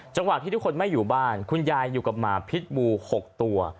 ที่ทุกคนไม่อยู่บ้านคุณยายอยู่กับหมาพิษบู๖ตัว